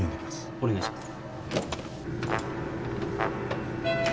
お願いします。